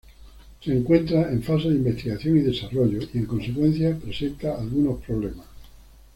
Se encuentra en fase de investigación y desarrollo y, en consecuencia, presenta algunos problemas.